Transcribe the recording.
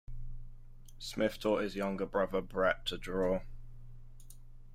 Smith taught his younger brother Bret to draw.